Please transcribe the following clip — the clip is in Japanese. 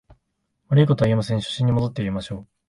悪いことは言いません、初心に戻ってやりましょう